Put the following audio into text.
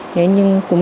thế nhưng cũng